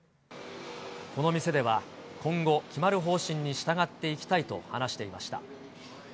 この店では今後、決まる方針に従っていきたいと話していました。